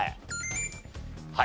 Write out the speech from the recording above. はい。